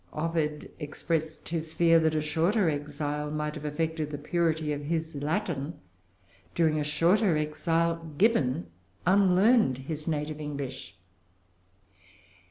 Ovid expressed his fear that a shorter exile might have affected the purity of his Latin. During a shorter exile, Gibbon unlearned his native English.